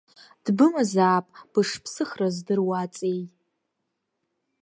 Дбымазаап, бышԥсыхра здыруа аҵеи.